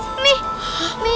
kok kerandanya disini